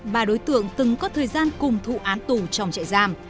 ba đối tượng từng có thời gian cùng thụ án tù trong trại giam